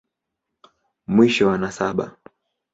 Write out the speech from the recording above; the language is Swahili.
Mwisho wa nasaba.